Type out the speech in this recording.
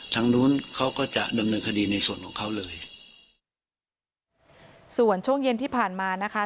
ทางนู้นเขาก็จะดำเนินคดีในส่วนของเขาเลยส่วนช่วงเย็นที่ผ่านมานะคะ